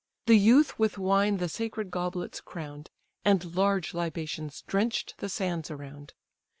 The youth with wine the sacred goblets crown'd, And large libations drench'd the sands around.